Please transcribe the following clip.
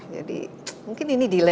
jadi mungkin ini dirubah